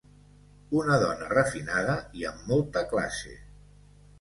Una dona refinada i amb molta classe.